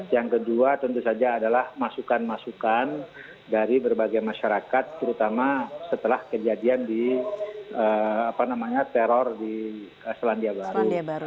yang kedua tentu saja adalah masukan masukan dari berbagai masyarakat terutama setelah kejadian di teror di selandia baru